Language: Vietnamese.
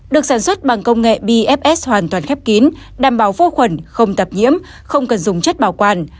được sản xuất bằng công nghệ bfs hoàn toàn khép kín đảm bảo vô khuẩn không tập nhiễm không cần dùng chất bảo quản